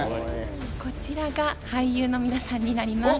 こちらが俳優のみなさんになります。